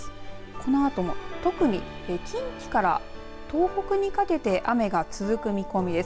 このあとも特に近畿から東北にかけて雨が続く見込みです。